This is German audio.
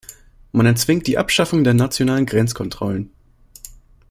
Man erzwingt die Abschaffung der nationalen Grenzkontrollen.